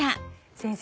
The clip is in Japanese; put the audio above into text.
先生